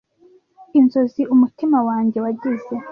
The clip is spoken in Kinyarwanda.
inzozi umutima wanjye wagize